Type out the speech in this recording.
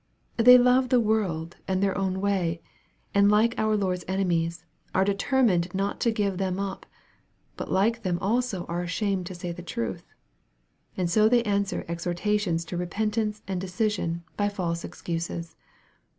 They love the world and their own way, and like our Lord's enemies are determined not to give them up, but like them also are ashamed to say the truth. And so they answer exhortations to repenta nee and decision by false excuses.